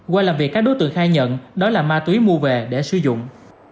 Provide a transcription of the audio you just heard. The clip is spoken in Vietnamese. qua làm việc các đối tượng khai nhận đó là ma túy mua về để sử dụng